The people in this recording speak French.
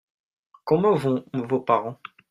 Comment vont vos parents ?